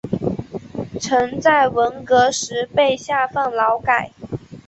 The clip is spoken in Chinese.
曾在文革时被下放劳改。